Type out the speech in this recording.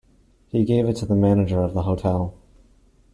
He gave it to the manager of the hotel.